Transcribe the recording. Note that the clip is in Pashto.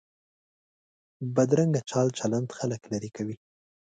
بدرنګه چال چلند خلک لرې کوي